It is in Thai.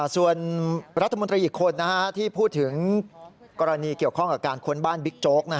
ส่วนรัฐมนตรีอีกคนที่พูดถึงกรณีเกี่ยวข้องกับการค้นบ้านบิ๊กโจ๊ก